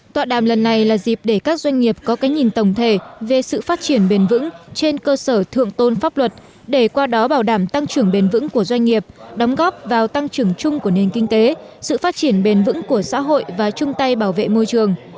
tọa đàm lần này là dịp để các doanh nghiệp có cái nhìn tổng thể về sự phát triển bền vững trên cơ sở thượng tôn pháp luật để qua đó bảo đảm tăng trưởng bền vững của doanh nghiệp đóng góp vào tăng trưởng chung của nền kinh tế sự phát triển bền vững của xã hội và chung tay bảo vệ môi trường